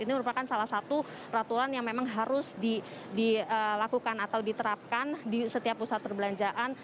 ini merupakan salah satu ratulan yang memang harus dilakukan atau diterapkan di setiap pusat perbelanjaan